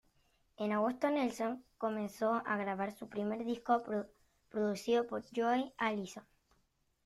En agosto, Nelson comenzó a grabar su primer disco, producido por Joe Allison.